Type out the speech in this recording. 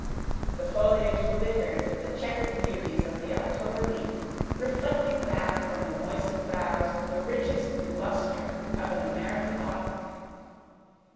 The foliage glittered with the checkered beauties of the October leaf, reflecting back from the moistened boughs the richest luster of an American autumn.